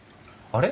あれ？